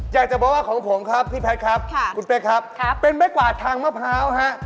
อยากจะบอกว่าของผมครับพี่แพทย์ครับคุณเป๊กครับเป็นไม้กวาดทางมะพร้าวฮะ